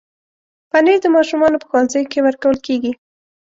پنېر د ماشومانو په ښوونځیو کې ورکول کېږي.